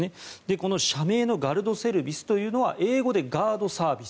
この社名のガルドセルビスというのは英語でガードサービス